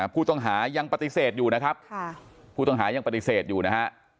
ผู้ต้องหายังปฏิเสธอยู่นะครับผู้ต้องหายังปฏิเสธอยู่นะฮะ